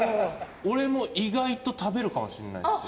俺も意外と食べるかもしれないです。